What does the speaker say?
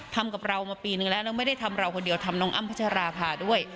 ทำกับเรามาปีนึงแล้วแล้วไม่ได้ทำเราคนเดียวทำน้องอ้ำพัชราภาด้วย